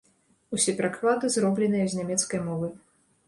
Усе пераклады зробленыя з нямецкай мовы.